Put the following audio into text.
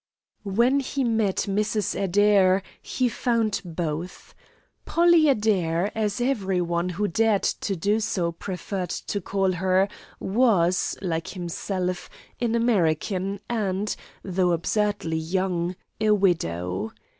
When he met Mrs. Adair he found both. Polly Adair, as every one who dared to do so preferred to call her, was, like himself, an American and, though absurdly young, a widow.